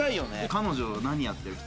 「彼女何やってる人？」。